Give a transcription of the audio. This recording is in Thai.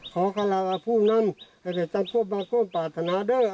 ขอขอลาว่าผู้นำให้ได้จำพบมากกว่าปรารถนาเดิม